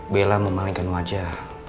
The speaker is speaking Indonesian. bela memalingkan wajah